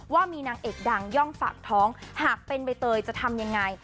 ว่ามีนางเอกดังย่องฝากท้องหากเป็นใบเตยจะทำยังไง